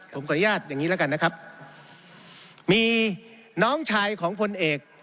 ผมขออนุญาตอย่างงี้แล้วกันนะครับมีน้องชายของพลเอก